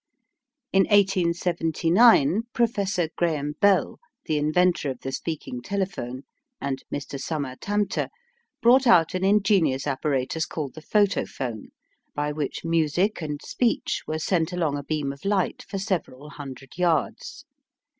In 1879, Professor Graham Bell, the inventor of the speaking telephone, and Mr Summer Tamter, brought out an ingenious apparatus called the photophone, by which music and speech were sent along a beam of light for several hundred yards.